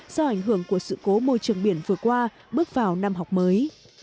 do ảnh hưởng của sự cố môi trường biển vừa qua bước vào năm học mới